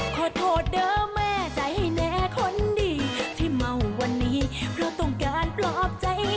ขอโทษเด้อแม่ใจแน่คนดีที่เมาวันนี้เพราะต้องการปลอบใจ